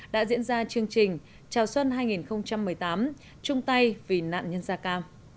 đã diễn ra chương trình chào xuân hai nghìn một mươi tám trung tây vì nạn nhân gia ca